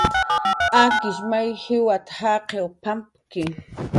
Akishw may jiwat karmaj pampki